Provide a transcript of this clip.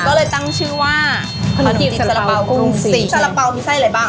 ก็เลยตั้งชื่อว่าขนมจีบสาระเป๋ากุ้งสาระเป๋ามีไส้อะไรบ้าง